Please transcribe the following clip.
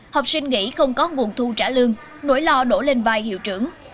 học sinh nghỉ không có nguồn thu trả lương nỗi lo đổ lên vai hiệu trưởng